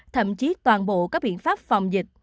thậm chí toàn bộ các biện pháp phòng dịch